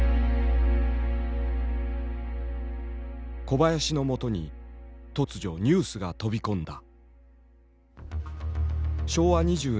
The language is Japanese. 小林のもとに突如ニュースが飛び込んだ。